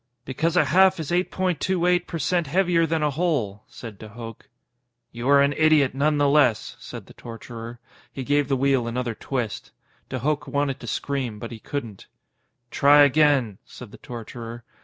_ "Because a half is eight point two eight per cent heavier than a hole," said de Hooch. _"You are an idiot, none the less," said the torturer. He gave the wheel another twist. De Hooch wanted to scream, but he couldn't._ _"Try again," said the torturer.